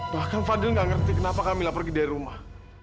bahkan fadil nggak ngerti kenapa kami pergi dari rumah